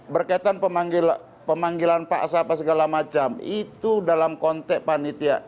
berkaitan pemanggilan paksa apa segala macam itu dalam konteks panitia